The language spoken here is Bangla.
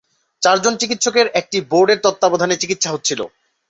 চারজন চিকিৎসকের একটি বোর্ডের তত্ত্বাবধানে চিকিৎসা হচ্ছিল।